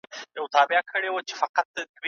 قران د رڼا سرچينه ده.